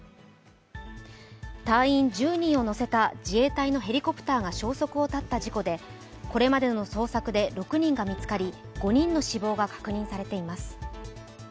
隊員１０人を乗せた自衛隊のヘリコプターが消息を絶った事故でこれまでの捜索で６人が見つかり５人の死亡が確認されています。